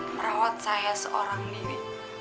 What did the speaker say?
merawat saya seorang diri